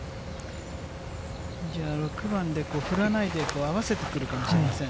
じゃあ、６番で振らないで合わせてくるかもしれません。